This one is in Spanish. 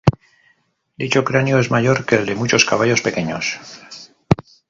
Dicho cráneo es mayor que el de muchos caballos pequeños.